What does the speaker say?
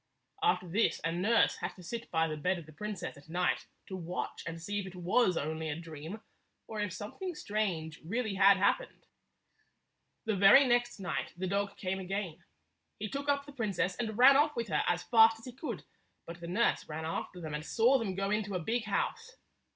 After this a nurse had to sit by the bed of the princess at night to watch and see if it was only 169 a dream, or if something strange really had happened. The very next night the dog came again. He took up the princess and ran off with her as fast as he could, but the nurse ran after them and saw them go into a big house.